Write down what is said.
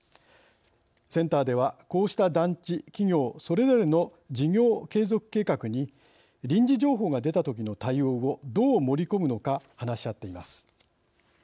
センターでは、こうした団地企業それぞれの事業継続計画に臨時情報が出た時の対応をどう盛り込むのか話し合っています。